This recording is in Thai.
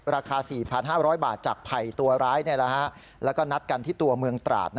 ราคา๔๕๐๐บาทจากไผ่ตัวร้ายแล้วก็นัดกันที่ตัวเมืองตราด